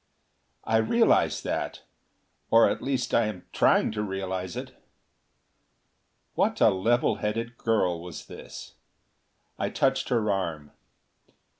"I realize that; or at least I am trying to realize it." What a level headed girl was this! I touched her arm.